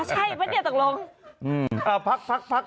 อ้าวใช่ไหมเหมือนเดี๋ยวตกลง